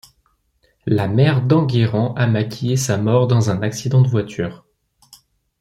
La mère d’Enguerrand a maquillé sa mort dans un accident de voiture.